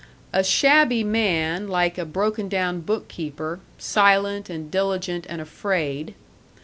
A shabby man like a broken down bookkeeper, silent and diligent and afraid.